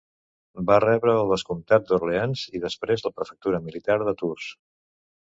Va rebre el vescomtat d'Orleans i després la prefectura militar de Tours.